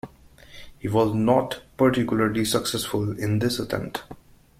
He was not particularly successful in this attempt.